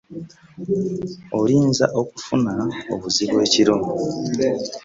Olinza okufuna obuzibu ekiro.